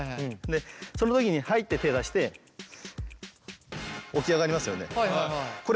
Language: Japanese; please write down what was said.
でその時に「はい」って手を出して起き上がりますよね。